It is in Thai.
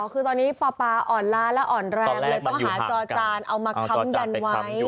คือตอนนี้ปปลาอ่อนล้าและอ่อนแรงเลยต้องหาจอจานเอามาค้ำยันไว้